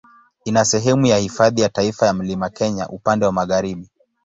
Ina sehemu ya Hifadhi ya Taifa ya Mlima Kenya upande wa magharibi.